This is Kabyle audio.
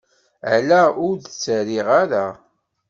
Ala, ur d-ttarriɣ ara.